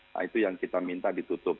nah itu yang kita minta ditutup